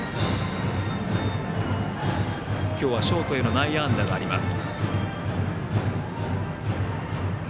今日はショートへの内野安打があります。